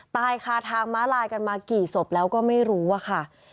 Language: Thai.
ตายคาทางม้าลายกันมากี่ศพแล้วก็ไม่รู้อะค่ะ